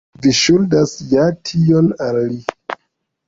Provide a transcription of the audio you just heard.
Vi ŝuldas ja tion al li.